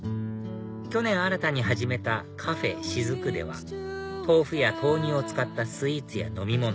去年新たに始めたＣＡＦＥ雫では豆腐や豆乳を使ったスイーツや飲み物